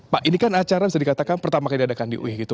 pak ini kan acara bisa dikatakan pertama kali diadakan di ui gitu